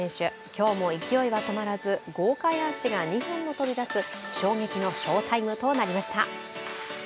今日も勢いは止まらず豪快アーチが２本も飛び出す衝撃の翔タイムとなりました。